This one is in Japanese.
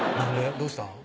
どうしたん？